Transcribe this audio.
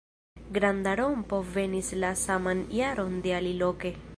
Granda rompo venis la saman jaron de aliloke.